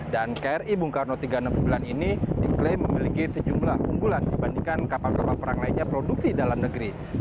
dan kri bung karno tiga ratus enam puluh sembilan ini diklaim memiliki sejumlah keunggulan dibandingkan kapal kapal perang lainnya produksi dalam negeri